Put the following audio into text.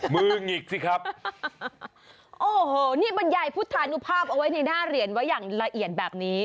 หงิกสิครับโอ้โหนี่บรรยายพุทธานุภาพเอาไว้ในหน้าเหรียญไว้อย่างละเอียดแบบนี้